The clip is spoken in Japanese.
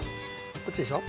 こっちでしょ？